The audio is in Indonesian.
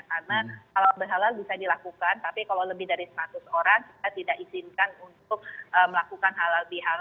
karena halal bihalal bisa dilakukan tapi kalau lebih dari seratus orang kita tidak izinkan untuk melakukan halal bihalal